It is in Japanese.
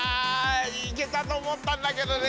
いけたと思ったんだけどね。